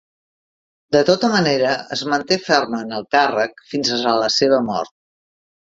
De tota manera, es manté ferm en el càrrec fins a la seva mort.